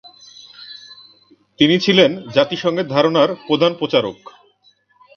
তিনি ছিলেন জাতিসংঘের ধারণার প্রধান প্রচারক।